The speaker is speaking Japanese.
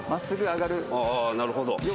ああなるほど。